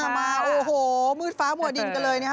มาโอ้โหมืดฟ้ามัวดินกันเลยนะครับ